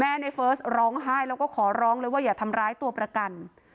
ในเฟิร์สร้องไห้แล้วก็ขอร้องเลยว่าอย่าทำร้ายตัวประกัน